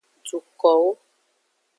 Dukowo.